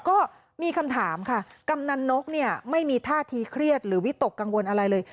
ก็มีคำถามค่ะกำนันนกเนี่ยไม่มีท่าทีเครียดหรือวิตกกังวลอะไรเลย